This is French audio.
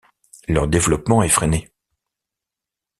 Leur développement est freiné.